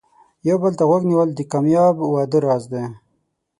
یو بل ته غوږ نیول د کامیاب واده راز دی.